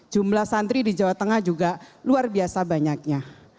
jumlah santri di jawa tengah juga luar biasa banyaknya